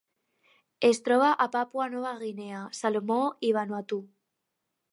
Es troba a Papua Nova Guinea, Salomó i Vanuatu.